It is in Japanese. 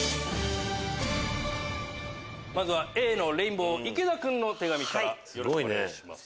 まずはＡのレインボー・池田君の手紙からよろしくお願いします。